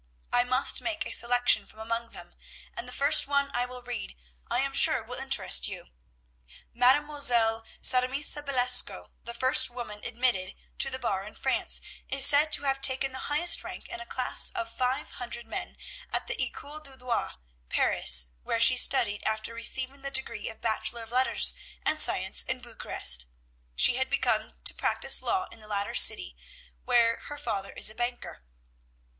I must make a selection from among them, and the first one I will read I am sure will interest you: "'Mlle. Sarmisa Bileesco, the first woman admitted to the bar in France, is said to have taken the highest rank in a class of five hundred men at the École du Droit, Paris, where she studied after receiving the degree of Bachelor of Letters and Science in Bucharest. She has begun to practise law in the latter city, where her father is a banker.'